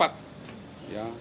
ya tidak usah mengangkat